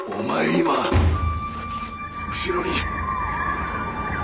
今後ろに！